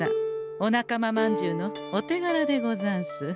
お仲間まんじゅうのお手がらでござんす。